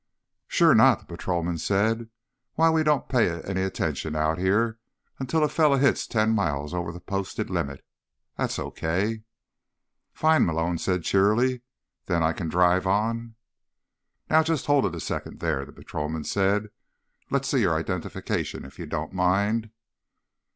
"Sure not," the patrolman said. "Why, we don't pay any attention out here until a fella hits ten miles over the posted limit. That's okay." "Fine," Malone said cheerily. "Then I can drive on?" "Now, just hold it a second there," the patrolman said. "Let's see your identification if you don't mind."